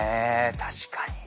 確かに。